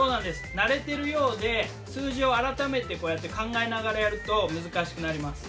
慣れてるようで数字を改めてこうやって考えながらやると難しくなります。